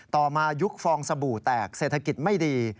ต่อมายุคฟองสบู่แตกเศรษฐกิจไม่ดี